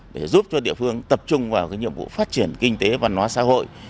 để giúp cho địa phương tập trung vào cái nhiệm vụ phát triển kinh tế và nón xã hội